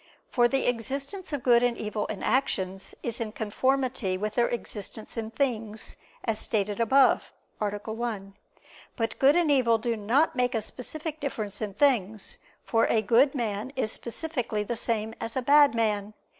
For the existence of good and evil in actions is in conformity with their existence in things, as stated above (A. 1). But good and evil do not make a specific difference in things; for a good man is specifically the same as a bad man.